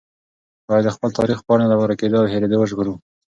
باید د خپل تاریخ پاڼې له ورکېدو او هېرېدو وژغورو.